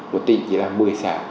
một tỉnh chỉ là một mươi xã